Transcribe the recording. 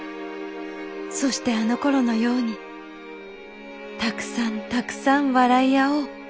そしてあのころのようにたくさんたくさん笑い合おう」。